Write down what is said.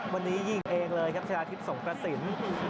วันนี้ยิงเองเลยครับชนะทิพย์สงกระสิน